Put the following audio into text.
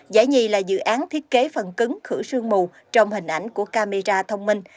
giải nhì là dự án thiết kế phần cứng khử sương mù trong hình ảnh của camera thông minh